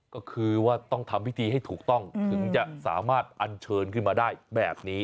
ก็คือว่าต้องทำพิธีให้ถูกต้องถึงจะสามารถอันเชิญขึ้นมาได้แบบนี้